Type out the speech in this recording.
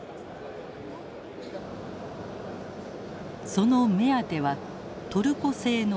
その目当てはトルコ製の兵器。